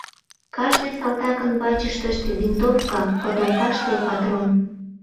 Кажне салтакын вачыштышт винтовка, котомкаште патрон.